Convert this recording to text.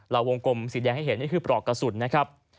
วงกลมสีแดงให้เห็นนี่คือปลอกกระสุนนะครับ